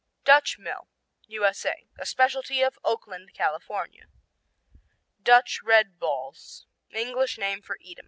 Dutch Mill U.S.A. A specialty of Oakland, California. Dutch Red Balls English name for Edam.